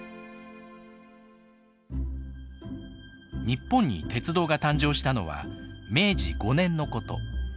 日本に鉄道が誕生したのは明治５年のこと。